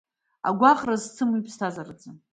Агәаҟра зцым уи ԥсҭазаараӡам…